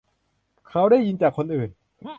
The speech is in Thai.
เขาได้ยินจากคนอื่น